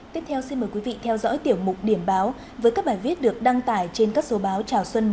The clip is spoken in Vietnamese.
tiếp theo xin mời quý vị theo dõi tiểu mục điểm báo với các bài viết được đăng tải trên các số báo chào xuân mới hai nghìn hai mươi bốn